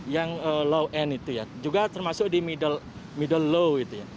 yang low end itu ya juga termasuk di middle low itu ya